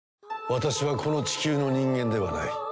私はこの地球の人間ではない。